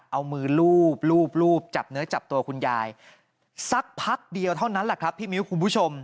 เอามือลูบจับเนื้อจับตัวคุณยายสักพักเดียวเท่านั้นแหละครับพี่มิ้วคุณผู้ชม